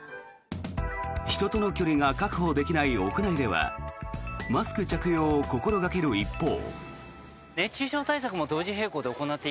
人との距離が確保できない屋内ではマスク着用を心掛ける一方。